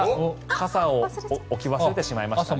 傘を置き忘れてしまいましたね。